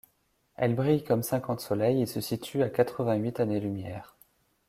Elle brille comme cinquante soleils et se situe à quatre-vingt-huit années-lumière.